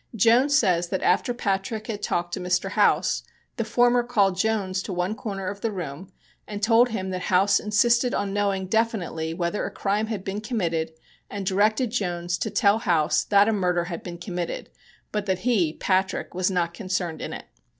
Jones says that after Patrick had talked to Mr. House the former called Jones to one corner of the room and told him that House insisted on knowing definitely whether a crime had been committed and directed Jones to tell House that a murder had been committed, but that he (Patrick) was not concerned in it.